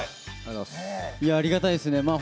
ありがたいですね。